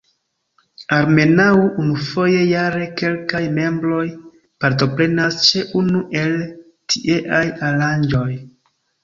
Almenaŭ unufoje jare kelkaj membroj partoprenas ĉe unu el tieaj aranĝoj.